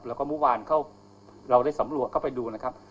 แล้วก็เมื่อวานเราได้สำรวจเข้าไปดูนะครับ